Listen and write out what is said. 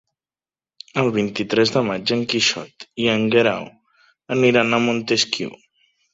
El vint-i-tres de maig en Quixot i en Guerau van a Montesquiu.